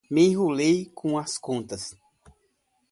Me enrolei todo com as contas.